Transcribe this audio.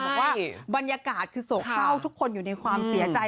บอกว่าบรรยากาศคือโศกเศร้าทุกคนอยู่ในความเสียใจ